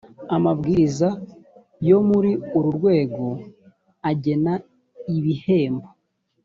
amabwiriza yo muri uru rwego agena ibihembo